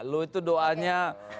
lu itu doanya